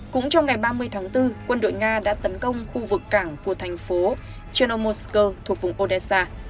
cũng trong ngày ba mươi tháng bốn quân đội nga đã tấn công khu vực cảng của thành phố chanomosko thuộc vùng odessa